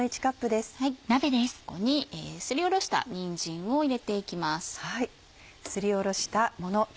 ここにすりおろしたにんじんを入れていきます。